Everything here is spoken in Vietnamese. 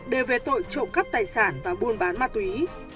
đều về tội trộm cắp tài sản và buôn bán ma túy